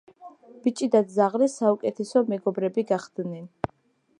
ბიჭი და ძაღლი საუკეთესო მეგობრები გახდნენ